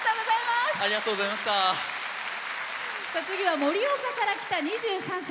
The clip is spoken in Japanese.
次は盛岡から来た２３歳。